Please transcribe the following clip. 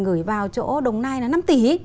gửi vào chỗ đồng nai là năm tỷ